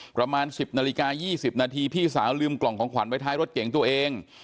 ประมาณ๑๐นาฬิกา๒๐นาทีพี่สาวลืมกล่องของขวัญไว้ท้ายรถเก่งตัวเอง